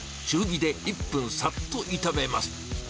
中火で１分、さっと炒めます。